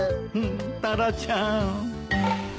タラちゃん。